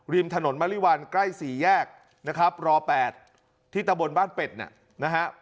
ริมถนนมริวัลใกล้๔แยกนะครับร๘ที่ตะบนบ้านเป็ดเนี่ยนะฮะ